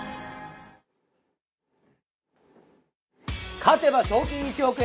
勝てば賞金１億円。